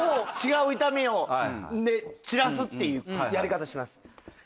違う痛みで散らすっていうやり方します。